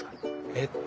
えっと